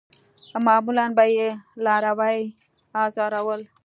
معمولاً به یې لاروي آزارول.